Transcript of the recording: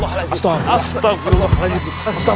pak d kita jalan lagi